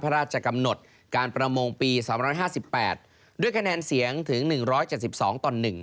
พระราชกำหนดการประมงปี๒๕๘ด้วยคะแนนเสียงถึง๑๗๒ต่อ๑